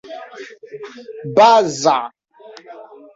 baza